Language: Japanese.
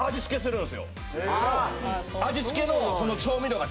味付けの調味料が。